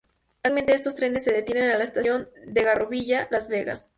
Actualmente, estos trenes se detienen el la estación de Garrovilla-Las Vegas.